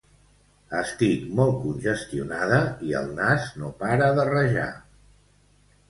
Estic molt congestionada i el nas no para de rajar